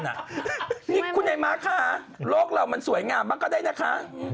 นี่คุณใหญ่มาค่ะโลกเรามันสวยงามมาก็ได้นะคะ